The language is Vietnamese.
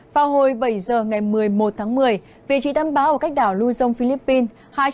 vào hồi bảy h ngày một mươi một tháng một mươi vị trí tâm báo ở cách đảo lui dông philippines